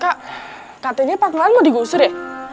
kak katanya pak tuhan mau digusur ya